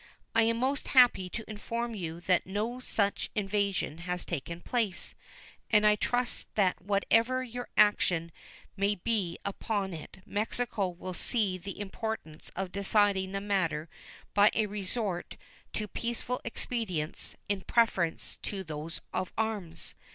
I am most happy to inform you that no such invasion has taken place; and I trust that whatever your action may be upon it Mexico will see the importance of deciding the matter by a resort to peaceful expedients in preference to those of arms.